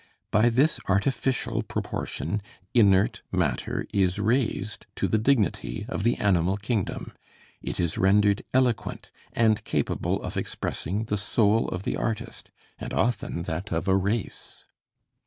By this artificial proportion, inert matter is raised to the dignity of the animal kingdom; it is rendered eloquent and capable of expressing the soul of the artist, and often that of a race.